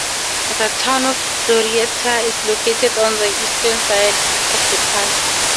The town of Glorieta is located on the eastern side of the pass.